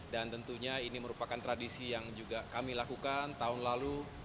dan tentunya ini merupakan tradisi yang juga kami lakukan tahun lalu